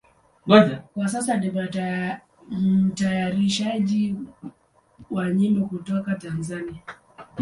Kwa sasa ni mtayarishaji wa nyimbo kutoka Tanzania.